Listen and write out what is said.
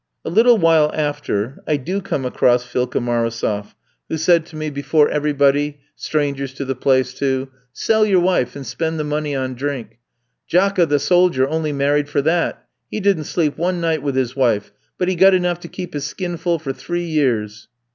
"A little while after I do come across Philka Marosof, who said to me before everybody, strangers to the place, too, 'Sell your wife, and spend the money on drink. Jackka the soldier only married for that; he didn't sleep one night with his wife; but he got enough to keep his skin full for three years.'